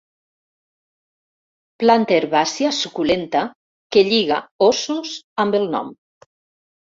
Planta herbàcia suculenta que lliga óssos amb el nom.